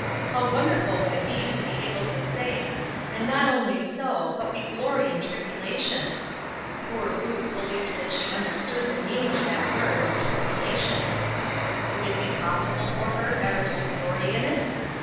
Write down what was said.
How wonderful would it be to be able to say, " And not only so, but we glory in tribulation !" Poor Ruth believed that she understood the meaning of that word, " tribulation." Would it be possible for her ever to " glory " in it